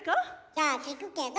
じゃあ聞くけど。